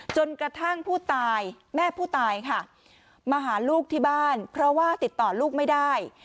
จนกระทั่งผู้ตายแม่ผู้ตายค่ะมาหาลูกที่บ้านเพราะว่าติดต่อลูกไม่ได้